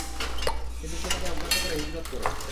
কিন্তু সে তাকে অগ্রাহ্য করে হিজরত করে।